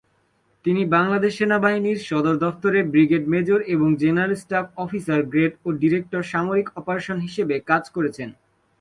তিনি বাংলাদেশ সেনাবাহিনীর সদর দফতরে ব্রিগেড মেজর এবং জেনারেল স্টাফ অফিসার গ্রেড ও ডিরেক্টর সামরিক অপারেশন হিসাবে কাজ করেছেন।